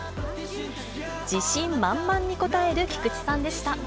自信満々に答える菊池さんでした。